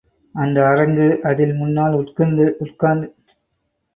அந்த அரங்கு அதில் முன்னால் உட்கார்ந்திருக்கும் பார்வையாளர்கள் பல தேசத்துப் பயணிகள்.